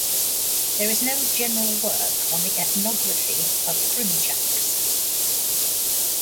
There is no general work on the ethnography of Krymchaks.